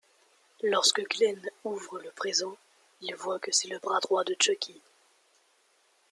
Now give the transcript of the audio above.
Lorsque Glen ouvre le présent, il voit que c'est le bras droit de Chucky.